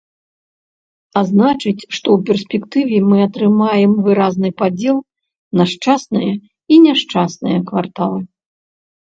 А значыць, што ў перспектыве мы атрымаем выразны падзел на шчасныя і няшчасныя кварталы.